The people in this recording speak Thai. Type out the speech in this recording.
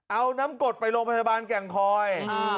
เอาน้ำกดไปโรงพยาบาลแก่งคอย